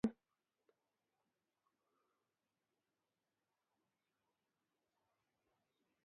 خاونده ما خو داسې نه وېل چې مساپر شم څوک دې خير نه راکوينه